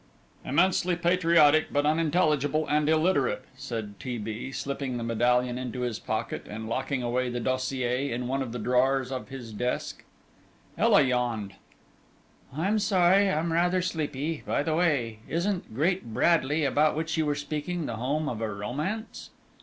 "Immensely patriotic, but unintelligible and illiterate," said T. B., slipping the medallion into his pocket, and locking away the dossier in one of the drawers of his desk. Ela yawned. "I'm sorry I'm rather sleepy. By the way, isn't Great Bradley, about which you were speaking, the home of a romance?"